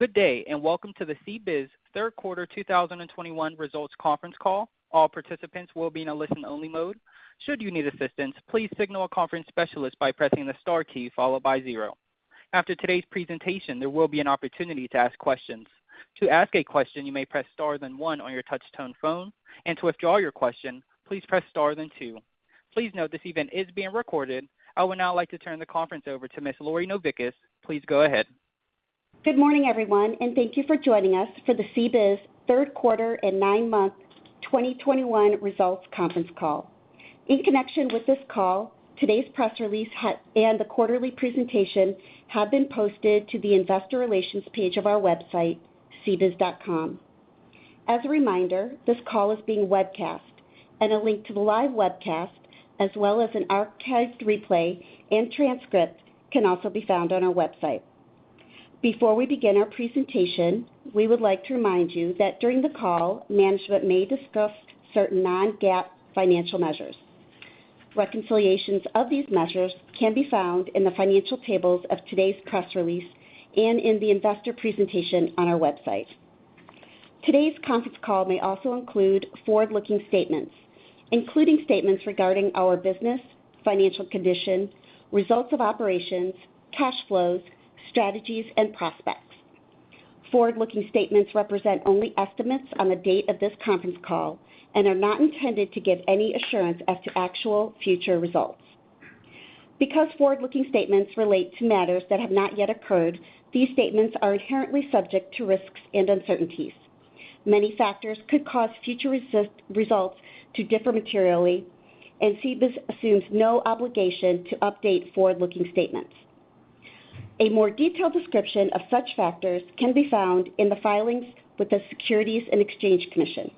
Good day, and welcome to the CBIZ third quarter 2021 results conference call. All participants will be in a listen-only mode. Should you need assistance, please signal a conference specialist by pressing the star key followed by zero. After today's presentation, there will be an opportunity to ask questions. To ask a question, you may press star then one on your touch-tone phone, and to withdraw your question, please press star then two. Please note this event is being recorded. I would now like to turn the conference over to Miss Lori Novickis. Please go ahead. Good morning, everyone, and thank you for joining us for the CBIZ third quarter and nine-month 2021 results conference call. In connection with this call, today's press release and the quarterly presentation have been posted to the investor relations page of our website, cbiz.com. As a reminder, this call is being webcast, and a link to the live webcast, as well as an archived replay and transcript can also be found on our website. Before we begin our presentation, we would like to remind you that during the call, management may discuss certain non-GAAP financial measures. Reconciliations of these measures can be found in the financial tables of today's press release and in the investor presentation on our website. Today's conference call may also include forward-looking statements, including statements regarding our business, financial condition, results of operations, cash flows, strategies, and prospects. Forward-looking statements represent only estimates on the date of this conference call and are not intended to give any assurance as to actual future results. Because forward-looking statements relate to matters that have not yet occurred, these statements are inherently subject to risks and uncertainties. Many factors could cause future results to differ materially, and CBIZ assumes no obligation to update forward-looking statements. A more detailed description of such factors can be found in the filings with the Securities and Exchange Commission.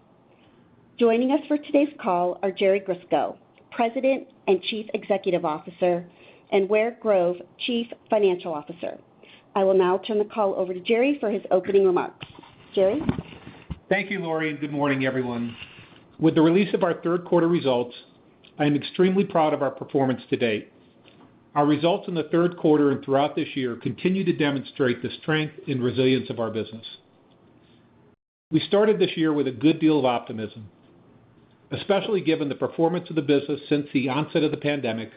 Joining us for today's call are Jerry Grisko, President and Chief Executive Officer, and Ware Grove, Chief Financial Officer. I will now turn the call over to Jerry for his opening remarks. Jerry? Thank you, Lori, and good morning, everyone. With the release of our third quarter results, I am extremely proud of our performance to date. Our results in the third quarter and throughout this year continue to demonstrate the strength and resilience of our business. We started this year with a good deal of optimism, especially given the performance of the business since the onset of the pandemic,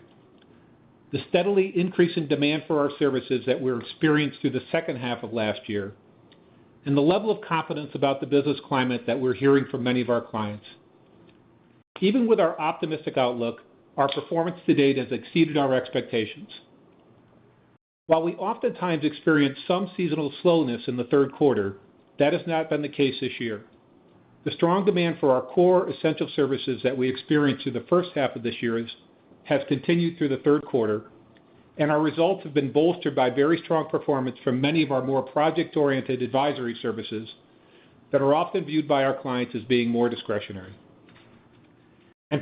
the steady increase in demand for our services that were experienced through the second half of last year, and the level of confidence about the business climate that we're hearing from many of our clients. Even with our optimistic outlook, our performance to date has exceeded our expectations. While we oftentimes experience some seasonal slowness in the third quarter, that has not been the case this year. The strong demand for our core essential services that we experienced in the first half of this year has continued through the third quarter, and our results have been bolstered by very strong performance from many of our more project-oriented advisory services that are often viewed by our clients as being more discretionary.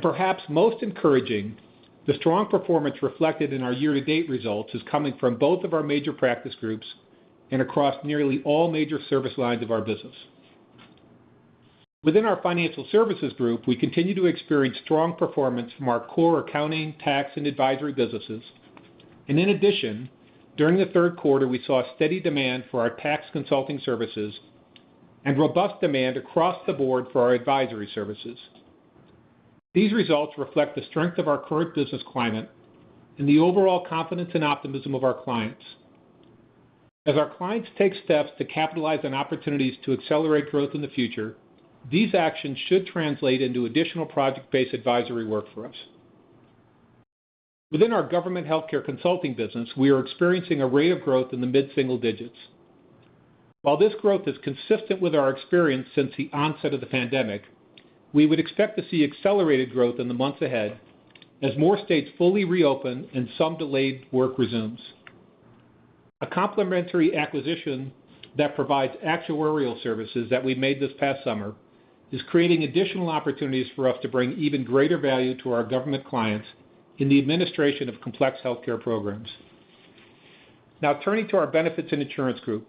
Perhaps most encouraging, the strong performance reflected in our year-to-date results is coming from both of our major practice groups and across nearly all major service lines of our business. Within our financial services group, we continue to experience strong performance from our core accounting, tax, and advisory businesses. In addition, during the third quarter, we saw steady demand for our tax consulting services and robust demand across the board for our advisory services. These results reflect the strength of our current business climate and the overall confidence and optimism of our clients. As our clients take steps to capitalize on opportunities to accelerate growth in the future, these actions should translate into additional project-based advisory work for us. Within our government healthcare consulting business, we are experiencing a rate of growth in the mid-single digits%. While this growth is consistent with our experience since the onset of the pandemic, we would expect to see accelerated growth in the months ahead as more states fully reopen and some delayed work resumes. A complementary acquisition that provides actuarial services that we made this past summer is creating additional opportunities for us to bring even greater value to our government clients in the administration of complex healthcare programs. Now turning to our benefits and insurance group,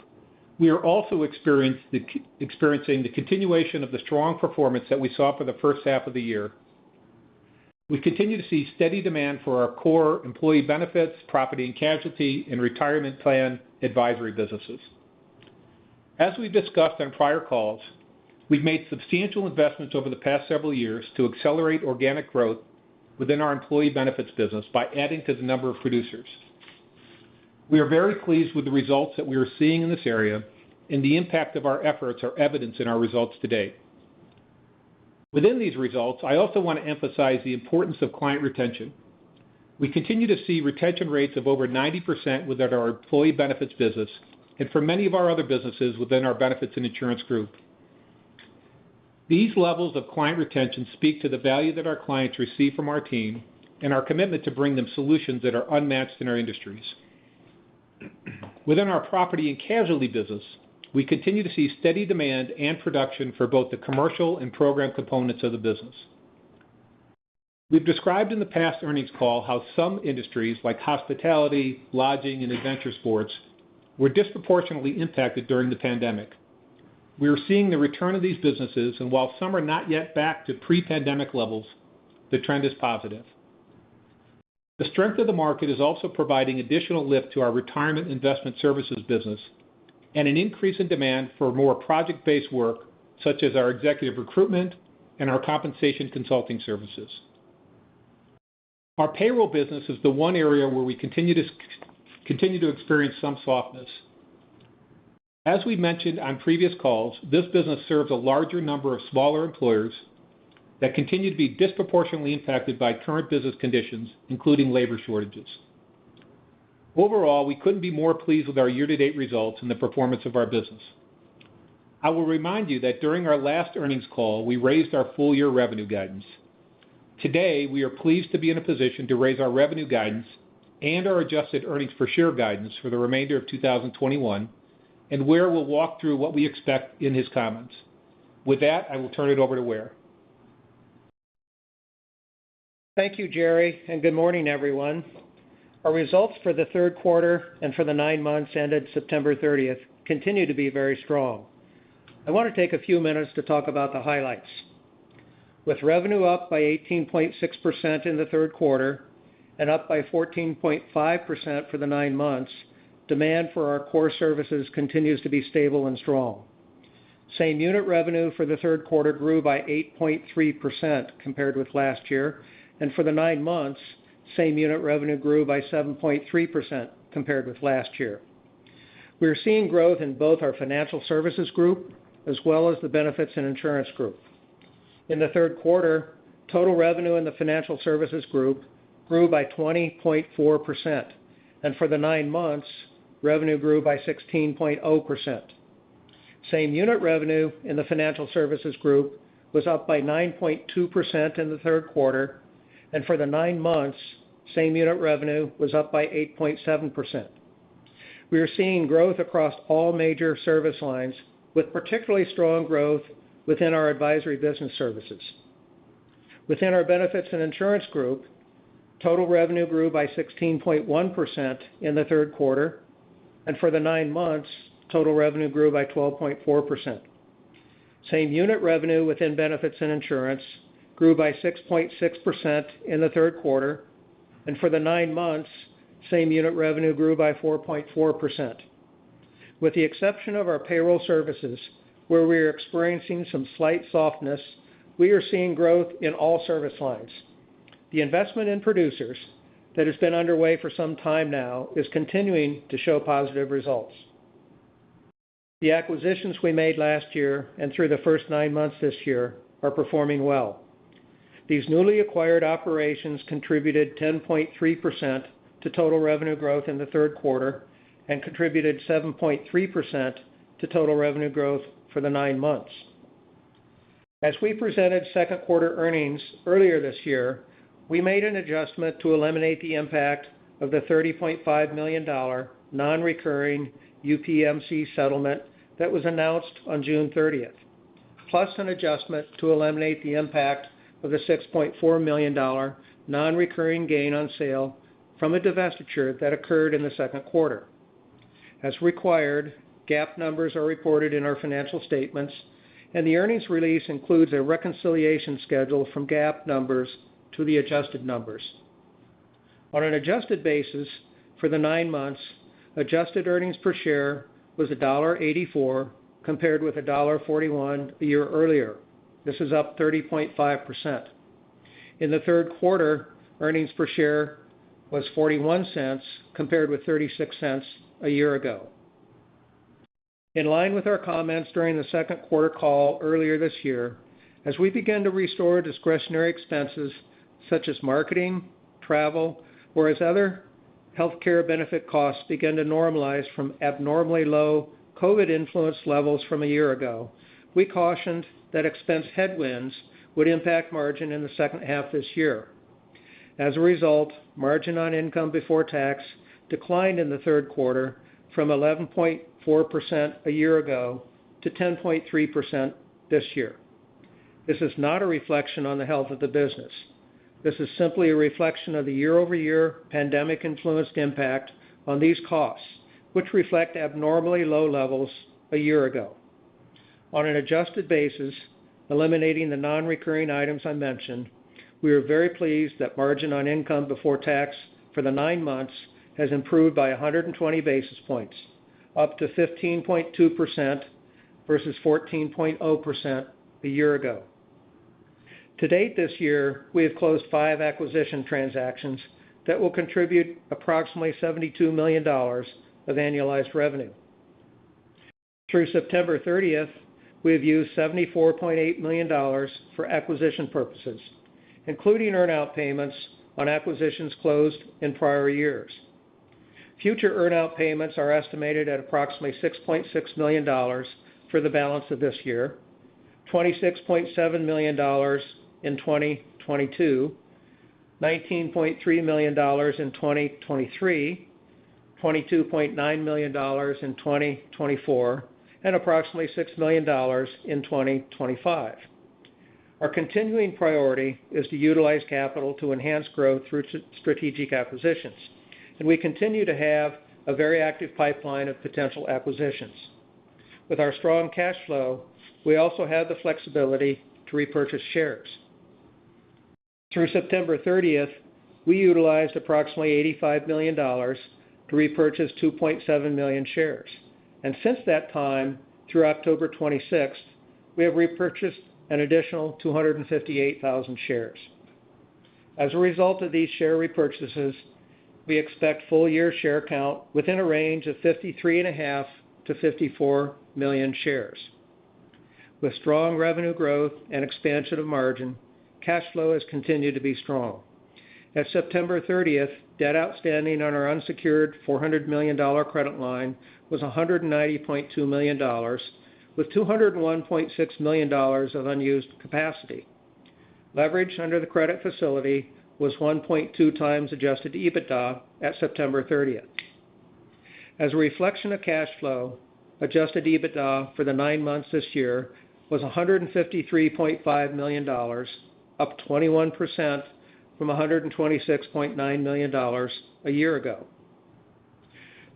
we are also experiencing the continuation of the strong performance that we saw for the first half of the year. We continue to see steady demand for our core employee benefits, property and casualty, and retirement plan advisory businesses. As we've discussed on prior calls, we've made substantial investments over the past several years to accelerate organic growth within our employee benefits business by adding to the number of producers. We are very pleased with the results that we are seeing in this area, and the impact of our efforts are evidenced in our results to date. Within these results, I also want to emphasize the importance of client retention. We continue to see retention rates of over 90% within our employee benefits business and for many of our other businesses within our benefits and insurance group. These levels of client retention speak to the value that our clients receive from our team and our commitment to bring them solutions that are unmatched in our industries. Within our property and casualty business, we continue to see steady demand and production for both the commercial and program components of the business. We've described in the past earnings call how some industries, like hospitality, lodging, and adventure sports, were disproportionately impacted during the pandemic. We are seeing the return of these businesses, and while some are not yet back to pre-pandemic levels, the trend is positive. The strength of the market is also providing additional lift to our retirement investment services business and an increase in demand for more project-based work, such as our executive recruitment and our compensation consulting services. Our payroll business is the one area where we continue to experience some softness. As we mentioned on previous calls, this business serves a larger number of smaller employers that continue to be disproportionately impacted by current business conditions, including labor shortages. Overall, we couldn't be more pleased with our year-to-date results and the performance of our business. I will remind you that during our last earnings call, we raised our full year revenue guidance. Today, we are pleased to be in a position to raise our revenue guidance and our adjusted earnings per share guidance for the remainder of 2021, and Ware will walk through what we expect in his comments. With that, I will turn it over to Ware. Thank you, Jerry, and good morning, everyone. Our results for the third quarter and for the nine months ended September 30 continue to be very strong. I want to take a few minutes to talk about the highlights. With revenue up by 18.6% in the third quarter and up by 14.5% for the nine months, demand for our core services continues to be stable and strong. Same unit revenue for the third quarter grew by 8.3% compared with last year, and for the nine months, same unit revenue grew by 7.3% compared with last year. We are seeing growth in both our financial services group as well as the benefits and insurance group. In the third quarter, total revenue in the financial services group grew by 20.4%, and for the nine months, revenue grew by 16.0%. Same unit revenue in the financial services group was up by 9.2% in the third quarter, and for the nine months, same unit revenue was up by 8.7%. We are seeing growth across all major service lines, with particularly strong growth within our advisory business services. Within our benefits and insurance group, total revenue grew by 16.1% in the third quarter, and for the nine months, total revenue grew by 12.4%. Same unit revenue within benefits and insurance grew by 6.6% in the third quarter, and for the nine months, same unit revenue grew by 4.4%. With the exception of our payroll services, where we are experiencing some slight softness, we are seeing growth in all service lines. The investment in producers that has been underway for some time now is continuing to show positive results. The acquisitions we made last year and through the first nine months this year are performing well. These newly acquired operations contributed 10.3% to total revenue growth in the third quarter and contributed 7.3% to total revenue growth for the nine months. As we presented second quarter earnings earlier this year, we made an adjustment to eliminate the impact of the $30.5 million nonrecurring UPMC settlement that was announced on June thirtieth, plus an adjustment to eliminate the impact of the $6.4 million nonrecurring gain on sale from a divestiture that occurred in the second quarter. As required, GAAP numbers are reported in our financial statements, and the earnings release includes a reconciliation schedule from GAAP numbers to the adjusted numbers. On an adjusted basis for the nine months, adjusted earnings per share was $1.84 compared with $1.41 a year earlier. This is up 30.5%. In the third quarter, earnings per share was $0.41 compared with $0.36 a year ago. In line with our comments during the second quarter call earlier this year, as we began to restore discretionary expenses such as marketing, travel, or as other healthcare benefit costs began to normalize from abnormally low COVID-influenced levels from a year ago, we cautioned that expense headwinds would impact margin in the second half this year. As a result, margin on income before tax declined in the third quarter from 11.4% a year ago to 10.3% this year. This is not a reflection on the health of the business. This is simply a reflection of the year-over-year pandemic influenced impact on these costs, which reflect abnormally low levels a year ago. On an adjusted basis, eliminating the nonrecurring items I mentioned, we are very pleased that margin on income before tax for the 9 months has improved by 100 basis points, up to 15.2% versus 14.0% a year ago. To date this year, we have closed 5 acquisition transactions that will contribute approximately $72 million of annualized revenue. Through September thirtieth, we have used $74.8 million for acquisition purposes, including earn-out payments on acquisitions closed in prior years. Future earn-out payments are estimated at approximately $6.6 million for the balance of this year, $26.7 million in 2022, $19.3 million in 2023, $22.9 million in 2024, and approximately $6 million in 2025. Our continuing priority is to utilize capital to enhance growth through strategic acquisitions, and we continue to have a very active pipeline of potential acquisitions. With our strong cash flow, we also have the flexibility to repurchase shares. Through September 30, we utilized approximately $85 million to repurchase 2.7 million shares. Since that time, through October 26, we have repurchased an additional 258,000 shares. As a result of these share repurchases, we expect full year share count within a range of 53.5-54 million shares. With strong revenue growth and expansion of margin, cash flow has continued to be strong. At September 30, debt outstanding on our unsecured $400 million credit line was $190.2 million, with $201.6 million of unused capacity. Leverage under the credit facility was 1.2 times adjusted EBITDA at September 30. As a reflection of cash flow, adjusted EBITDA for the nine months this year was $153.5 million, up 21% from $126.9 million a year ago.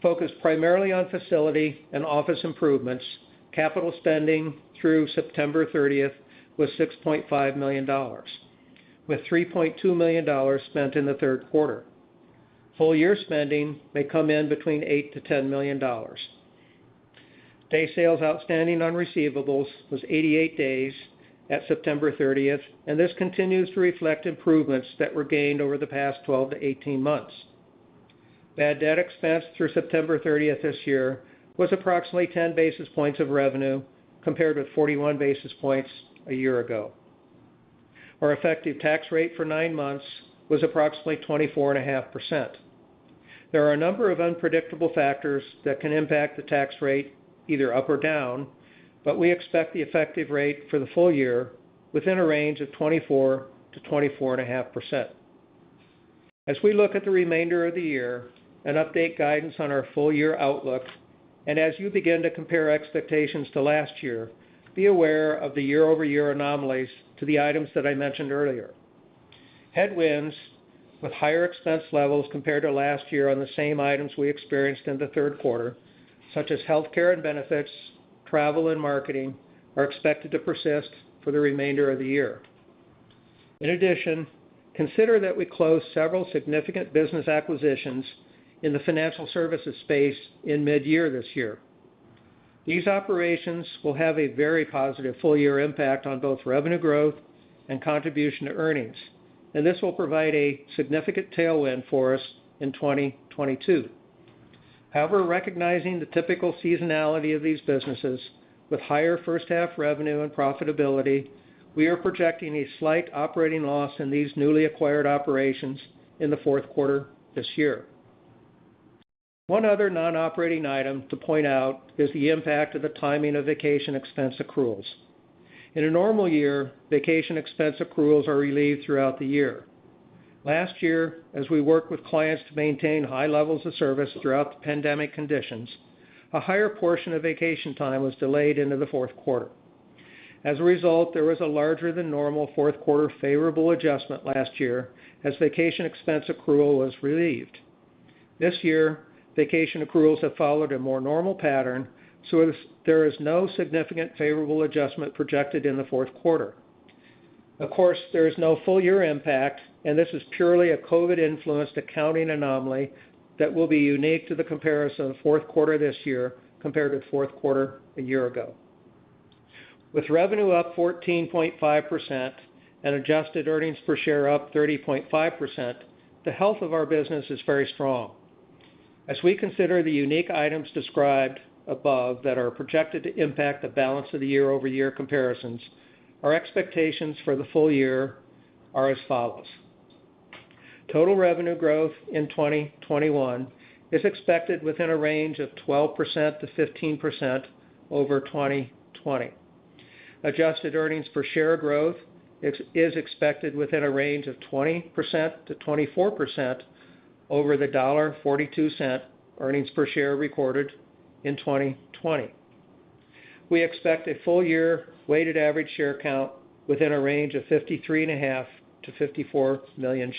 Focused primarily on facility and office improvements, capital spending through September 30 was $6.5 million, with $3.2 million spent in the third quarter. Full year spending may come in between $8 million-$10 million. Days sales outstanding on receivables was 88 days at September 30, and this continues to reflect improvements that were gained over the past 12-18 months. Bad debt expense through September 30 this year was approximately 10 basis points of revenue compared with 41 basis points a year ago. Our effective tax rate for 9 months was approximately 24.5%. There are a number of unpredictable factors that can impact the tax rate either up or down, but we expect the effective rate for the full year within a range of 24%-24.5%. As we look at the remainder of the year and update guidance on our full year outlook, and as you begin to compare expectations to last year, be aware of the year-over-year anomalies to the items that I mentioned earlier. Headwinds with higher expense levels compared to last year on the same items we experienced in the third quarter, such as healthcare and benefits, travel and marketing, are expected to persist for the remainder of the year. In addition, consider that we closed several significant business acquisitions in the financial services space in mid-year this year. These operations will have a very positive full year impact on both revenue growth and contribution to earnings, and this will provide a significant tailwind for us in 2022. However, recognizing the typical seasonality of these businesses with higher first half revenue and profitability, we are projecting a slight operating loss in these newly acquired operations in the fourth quarter this year. One other non-operating item to point out is the impact of the timing of vacation expense accruals. In a normal year, vacation expense accruals are relieved throughout the year. Last year, as we worked with clients to maintain high levels of service throughout the pandemic conditions, a higher portion of vacation time was delayed into the fourth quarter. As a result, there was a larger than normal fourth quarter favorable adjustment last year as vacation expense accrual was relieved. This year, vacation accruals have followed a more normal pattern, so there is no significant favorable adjustment projected in the fourth quarter. Of course, there is no full year impact, and this is purely a COVID influenced accounting anomaly that will be unique to the comparison of fourth quarter this year compared to fourth quarter a year ago. With revenue up 14.5% and adjusted earnings per share up 30.5%, the health of our business is very strong. As we consider the unique items described above that are projected to impact the balance of the year-over-year comparisons, our expectations for the full year are as follows. Total revenue growth in 2021 is expected within a range of 12%-15% over 2020. Adjusted earnings per share growth is expected within a range of 20%-24% over the $0.42 earnings per share recorded in 2020. We expect a full year weighted average share count within a range of 53.5-54 million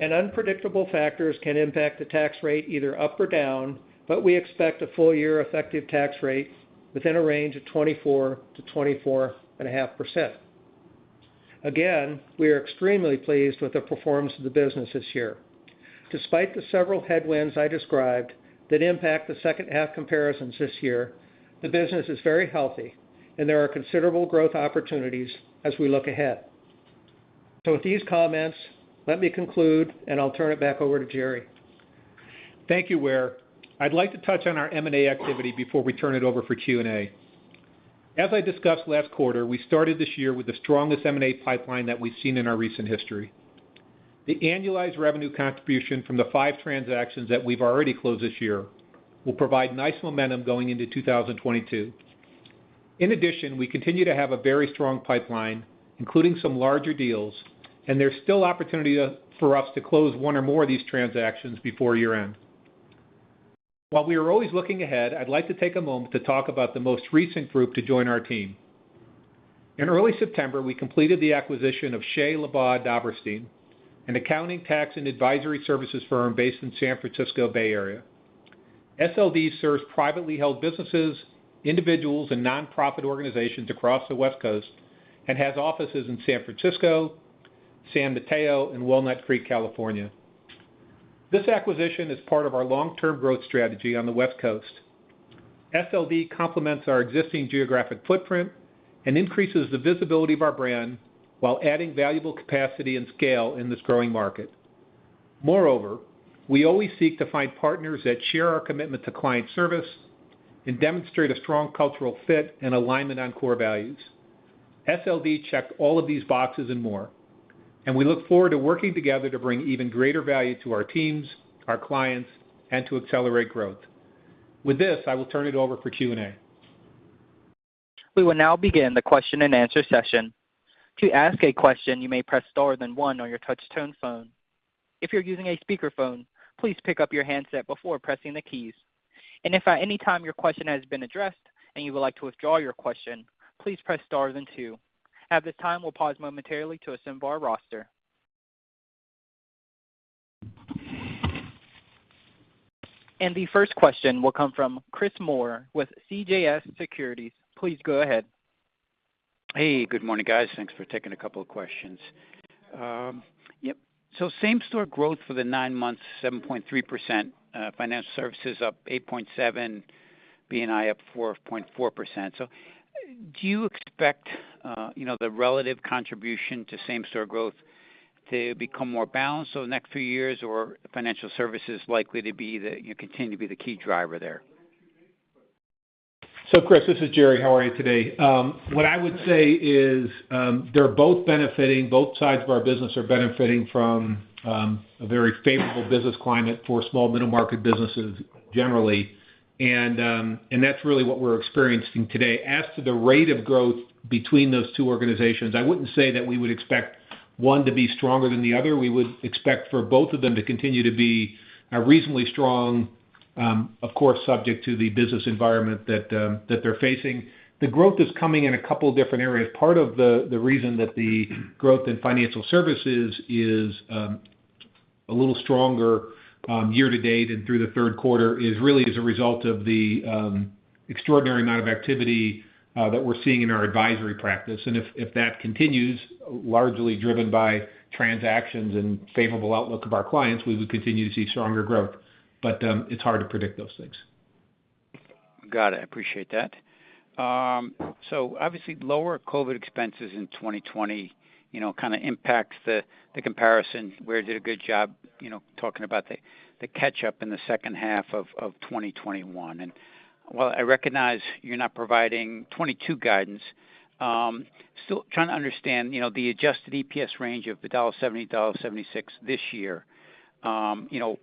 shares. Unpredictable factors can impact the tax rate either up or down, but we expect a full year effective tax rate within a range of 24%-24.5%. Again, we are extremely pleased with the performance of the business this year. Despite the several headwinds I described that impact the second half comparisons this year, the business is very healthy and there are considerable growth opportunities as we look ahead. With these comments, let me conclude and I'll turn it back over to Jerry. Thank you, Ware. I'd like to touch on our M&A activity before we turn it over for Q&A. As I discussed last quarter, we started this year with the strongest M&A pipeline that we've seen in our recent history. The annualized revenue contribution from the five transactions that we've already closed this year will provide nice momentum going into 2022. In addition, we continue to have a very strong pipeline, including some larger deals, and there's still opportunity for us to close one or more of these transactions before year-end. While we are always looking ahead, I'd like to take a moment to talk about the most recent group to join our team. In early September, we completed the acquisition of Shea Labagh Dobberstein, an accounting, tax, and advisory services firm based in San Francisco Bay Area. SLD serves privately held businesses, individuals, and nonprofit organizations across the West Coast and has offices in San Francisco, San Mateo, and Walnut Creek, California. This acquisition is part of our long-term growth strategy on the West Coast. SLD complements our existing geographic footprint and increases the visibility of our brand while adding valuable capacity and scale in this growing market. Moreover, we always seek to find partners that share our commitment to client service and demonstrate a strong cultural fit and alignment on core values. SLD checked all of these boxes and more, and we look forward to working together to bring even greater value to our teams, our clients, and to accelerate growth. With this, I will turn it over for Q&A. We will now begin the question-and-answer session. To ask a question, you may press star then one on your touch-tone phone. If you're using a speakerphone, please pick up your handset before pressing the keys. If at any time your question has been addressed and you would like to withdraw your question, please press star then two. At this time, we'll pause momentarily to assemble our roster. The first question will come from Chris Moore with CJS Securities. Please go ahead. Hey, good morning, guys. Thanks for taking a couple of questions. Same-store growth for the 9 months, 7.3%. Financial Services up 8.7%. BNI up 4.4%. Do you expect the relative contribution to same-store growth to become more balanced over the next few years, or Financial Services likely to continue to be the key driver there? Chris, this is Jerry. How are you today? What I would say is, both sides of our business are benefiting from a very favorable business climate for small middle-market businesses generally. That's really what we're experiencing today. As to the rate of growth between those two organizations, I wouldn't say that we would expect one to be stronger than the other. We would expect for both of them to continue to be reasonably strong, of course, subject to the business environment that they're facing. The growth is coming in a couple different areas. Part of the reason that the growth in financial services is a little stronger year to date and through the third quarter is really as a result of the extraordinary amount of activity that we're seeing in our advisory practice. If that continues, largely driven by transactions and favorable outlook of our clients, we would continue to see stronger growth. It's hard to predict those things. Got it. Appreciate that. So obviously lower COVID expenses in 2020, you know, kind of impacts the comparison, where you did a good job, you know, talking about the catch-up in the second half of 2021. While I recognize you're not providing 2022 guidance, still trying to understand, you know, the adjusted EPS range of $1.70-$1.76 this year. You know,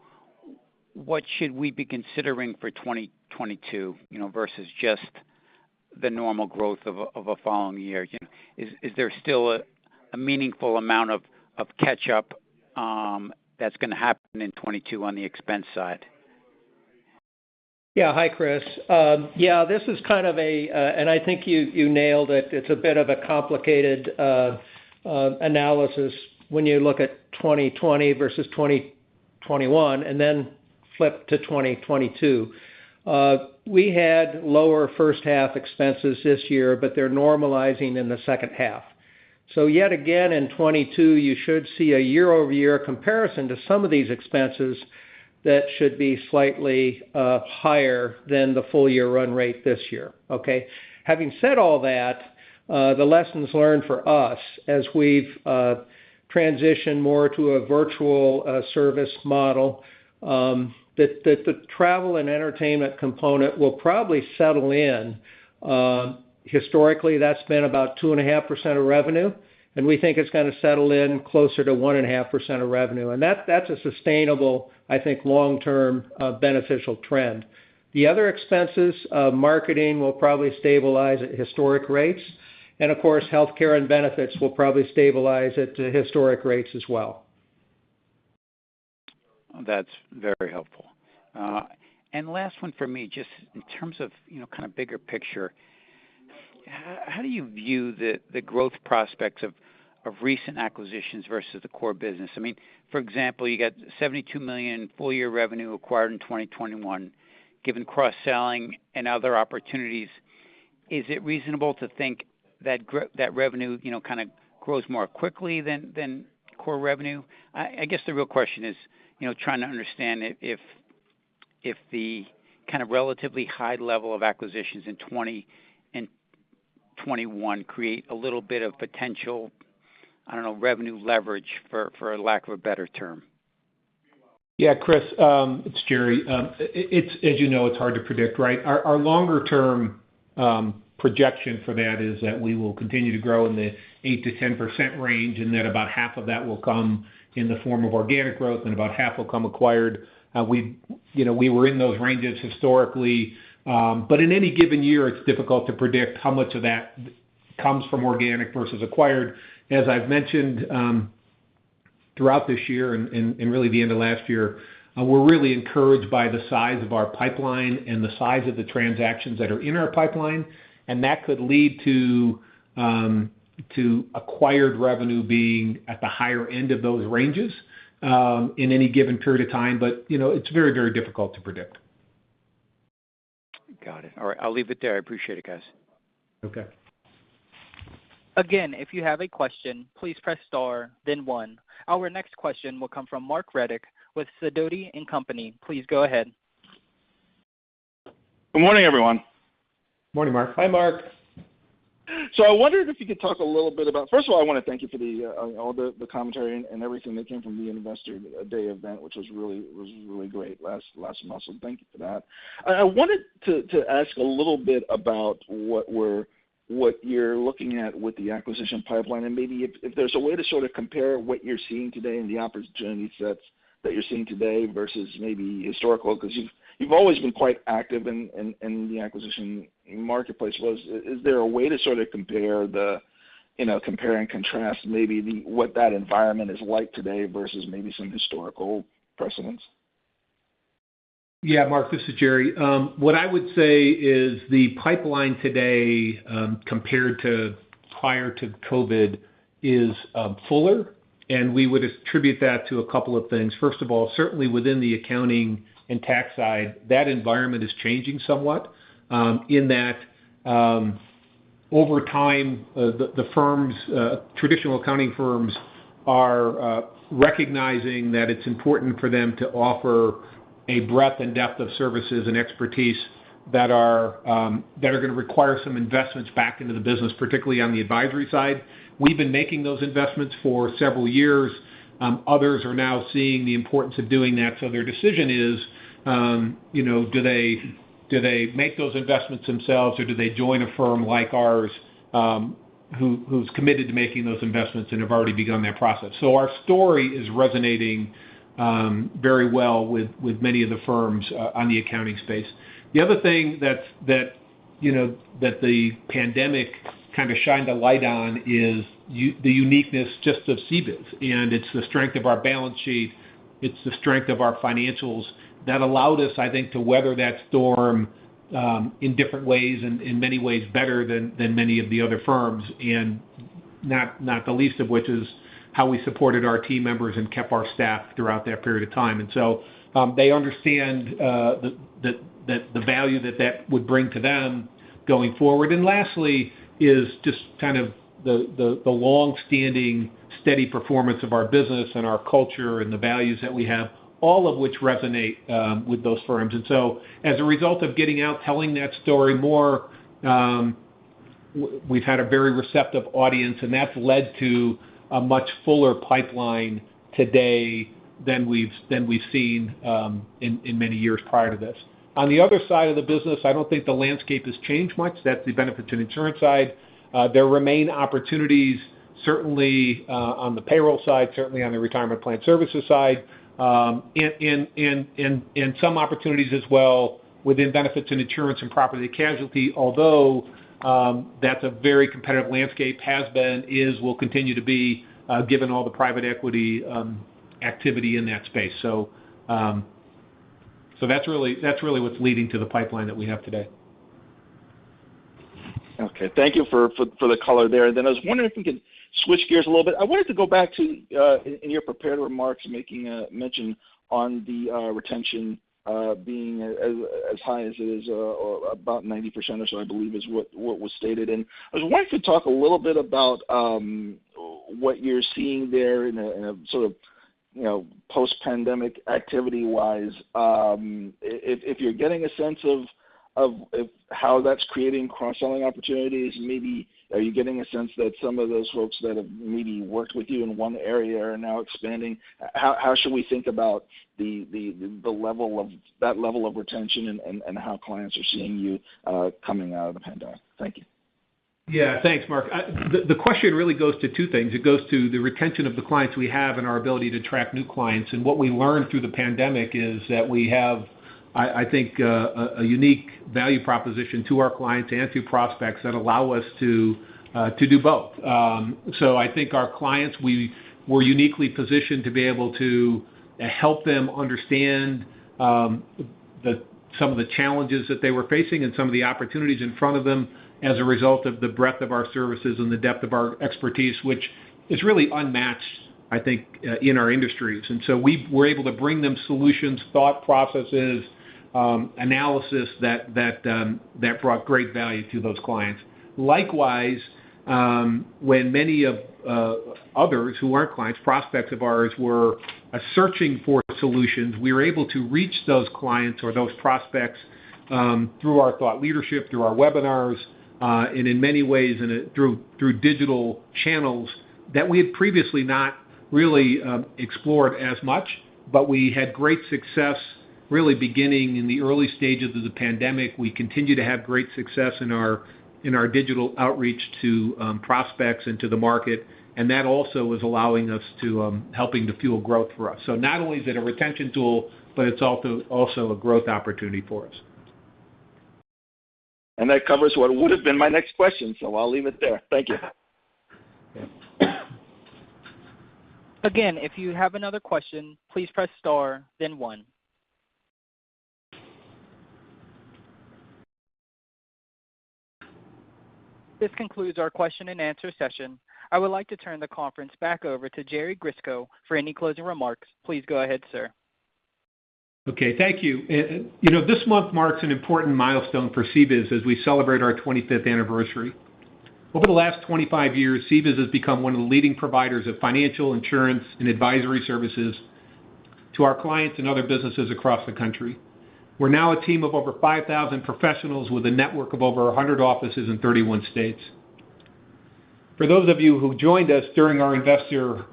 what should we be considering for 2022, you know, versus just the normal growth of a following year? You know, is there still a meaningful amount of catch-up that's gonna happen in 2022 on the expense side? Yeah. Hi, Chris. Yeah, this is kind of a and I think you nailed it. It's a bit of a complicated analysis when you look at 2020 versus 2021 and then flip to 2022. We had lower first half expenses this year, but they're normalizing in the second half. Yet again, in 2022, you should see a year-over-year comparison to some of these expenses that should be slightly higher than the full year run rate this year, okay? Having said all that, the lessons learned for us as we've transitioned more to a virtual service model, that the travel and entertainment component will probably settle in. Historically, that's been about 2.5% of revenue, and we think it's gonna settle in closer to 1.5% of revenue. That's a sustainable, I think, long-term, beneficial trend. The other expenses, marketing will probably stabilize at historic rates and of course, healthcare and benefits will probably stabilize at historic rates as well. That's very helpful. Last one for me, just in terms of, you know, kind of bigger picture. How do you view the growth prospects of recent acquisitions versus the core business? I mean, for example, you got $72 million full year revenue acquired in 2021. Given cross-selling and other opportunities, is it reasonable to think that that revenue, you know, kind of grows more quickly than core revenue? I guess the real question is, you know, trying to understand if the kind of relatively high level of acquisitions in 2020 and 2021 create a little bit of potential, I don't know, revenue leverage, for a lack of a better term. Yeah, Chris, it's Jerry. It's, as you know, it's hard to predict, right? Our longer term projection for that is that we will continue to grow in the 8%-10% range, and that about half of that will come in the form of organic growth and about half will come acquired. You know, we were in those ranges historically. But in any given year, it's difficult to predict how much of that comes from organic versus acquired. As I've mentioned, throughout this year and really the end of last year, we're really encouraged by the size of our pipeline and the size of the transactions that are in our pipeline, and that could lead to acquired revenue being at the higher end of those ranges, in any given period of time. You know, it's very, very difficult to predict. Got it. All right, I'll leave it there. I appreciate it, guys. Okay. Again, if you have a question, please press Star, then One. Our next question will come from Marc Riddick with Sidoti & Company. Please go ahead. Good morning, everyone. Morning, Marc. Hi, Marc. I wondered if you could talk a little bit about. First of all, I want to thank you for all the commentary and everything that came from the Investor Day event, which was really great last month. Thank you for that. I wanted to ask a little bit about what you're looking at with the acquisition pipeline, and maybe if there's a way to sort of compare what you're seeing today and the opportunity sets that you're seeing today versus maybe historical, 'cause you've always been quite active in the acquisition marketplace. Is there a way to sort of compare the, you know, compare and contrast what that environment is like today versus maybe some historical precedents? Yeah. Marc, this is Jerry. What I would say is the pipeline today, compared to prior to COVID is fuller, and we would attribute that to a couple of things. First of all, certainly within the accounting and tax side, that environment is changing somewhat, in that, over time, the firms traditional accounting firms are recognizing that it's important for them to offer a breadth and depth of services and expertise that are gonna require some investments back into the business, particularly on the advisory side. We've been making those investments for several years. Others are now seeing the importance of doing that, so their decision is, you know, do they make those investments themselves, or do they join a firm like ours, who's committed to making those investments and have already begun that process? Our story is resonating very well with many of the firms on the accounting space. The other thing that, you know, that the pandemic kind of shined a light on is the uniqueness just of CBIZ, and it's the strength of our balance sheet, it's the strength of our financials that allowed us, I think, to weather that storm, in different ways and in many ways better than many of the other firms, and not the least of which is how we supported our team members and kept our staff throughout that period of time. They understand the value that that would bring to them going forward. Lastly is just kind of the longstanding, steady performance of our business and our culture and the values that we have, all of which resonate with those firms. As a result of getting out, telling that story more, we've had a very receptive audience, and that's led to a much fuller pipeline today than we've seen in many years prior to this. On the other side of the business, I don't think the landscape has changed much. That's the benefits and insurance side. There remain opportunities certainly on the payroll side, certainly on the retirement plan services side, in some opportunities as well within benefits and insurance and property casualty, although that's a very competitive landscape, has been, is, will continue to be given all the private equity activity in that space. That's really what's leading to the pipeline that we have today. Okay. Thank you for the color there. I was wondering if we could switch gears a little bit. I wanted to go back to in your prepared remarks, making a mention on the retention being as high as it is, or about 90% or so, I believe is what was stated. I was wanting to talk a little bit about what you're seeing there in a sort of, you know, post-pandemic activity-wise, if you're getting a sense of how that's creating cross-selling opportunities. Maybe are you getting a sense that some of those folks that have maybe worked with you in one area are now expanding? How should we think about that level of retention and how clients are seeing you coming out of the pandemic? Thank you. Yeah. Thanks, Marc. The question really goes to two things. It goes to the retention of the clients we have and our ability to attract new clients. What we learned through the pandemic is that we have, I think, a unique value proposition to our clients and to prospects that allow us to do both. I think our clients, we were uniquely positioned to be able to help them understand some of the challenges that they were facing and some of the opportunities in front of them as a result of the breadth of our services and the depth of our expertise, which is really unmatched, I think, in our industries. We're able to bring them solutions, thought processes, analysis that brought great value to those clients. Likewise, when many of others who aren't clients, prospects of ours, were searching for solutions, we were able to reach those clients or those prospects through our thought leadership, through our webinars, and in many ways, and through digital channels that we had previously not really explored as much. We had great success really beginning in the early stages of the pandemic. We continue to have great success in our digital outreach to prospects and to the market, and that also is allowing us to helping to fuel growth for us. Not only is it a retention tool, but it's also a growth opportunity for us. That covers what would have been my next question, so I'll leave it there. Thank you. Again, if you have another question, please press star then one. This concludes our question and answer session. I would like to turn the conference back over to Jerry Grisko for any closing remarks. Please go ahead, sir. Okay, thank you. You know, this month marks an important milestone for CBIZ as we celebrate our 25th anniversary. Over the last 25 years, CBIZ has become one of the leading providers of financial insurance and advisory services to our clients and other businesses across the country. We're now a team of over 5,000 professionals with a network of over 100 offices in 31 states. For those of you who joined us during our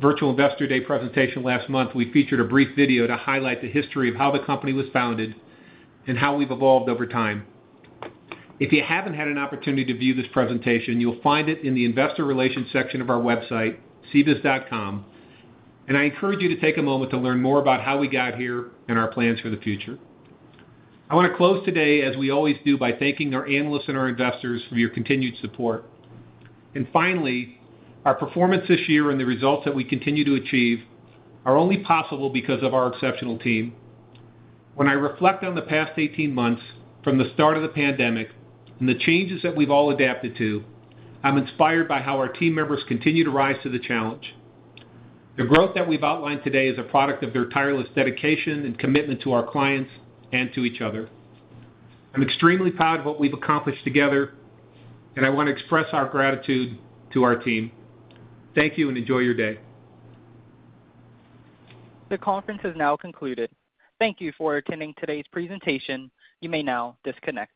virtual Investor Day presentation last month, we featured a brief video to highlight the history of how the company was founded and how we've evolved over time. If you haven't had an opportunity to view this presentation, you'll find it in the investor relations section of our website, cbiz.com, and I encourage you to take a moment to learn more about how we got here and our plans for the future. I want to close today, as we always do, by thanking our analysts and our investors for your continued support. Finally, our performance this year and the results that we continue to achieve are only possible because of our exceptional team. When I reflect on the past 18 months from the start of the pandemic and the changes that we've all adapted to, I'm inspired by how our team members continue to rise to the challenge. The growth that we've outlined today is a product of their tireless dedication and commitment to our clients and to each other. I'm extremely proud of what we've accomplished together, and I want to express our gratitude to our team. Thank you and enjoy your day. The conference has now concluded. Thank you for attending today's presentation. You may now disconnect.